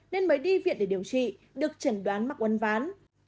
nên mới đi viện để điều trị được chẩn đoán mắc uốn ván